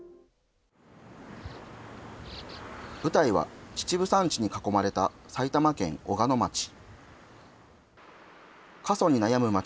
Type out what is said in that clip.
舞台は秩父山地に囲まれた埼玉県小鹿野町。